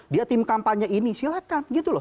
dia tim kampanye ini silakan